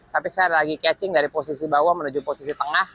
tapi saya lagi catching dari posisi bawah menuju posisi tengah